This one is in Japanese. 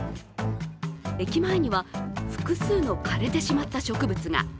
駅前には複数の枯れてしまった植物が。